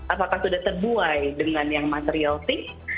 apakah sudah terbuai dengan yang material fix